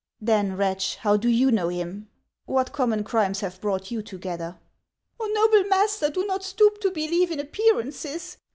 " Then, wretch, how do you know him ? What common crimes have brought you together ?"" Oh, noble master, do not stoop to believe in appear ances.